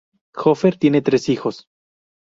Hofer tiene tres hijos.